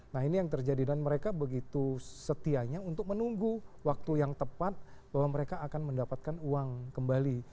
nah ini yang terjadi dan mereka begitu setianya untuk menunggu waktu yang tepat bahwa mereka akan mendapatkan uang kembali